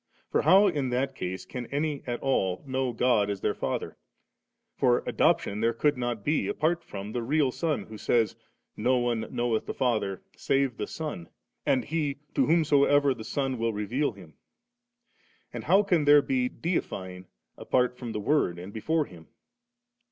For how in that case can any at all know God as their Father ? for adoption there could not be apart from the real Son, who says, * No one knoweth the Father, save the Son, and he to whomsoever the Son will reveal Him ^.' And how can there be deifying apart from the Word and before Him